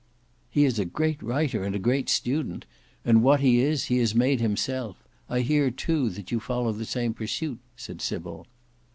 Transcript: "He is a great writer and a great student; and what he is he has made himself. I hear too that you follow the same pursuit," said Sybil.